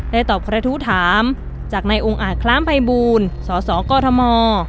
ได้ตอบครัฐุถามจากในองค์อ่านคล้ามภัยบูรณ์สสกฎม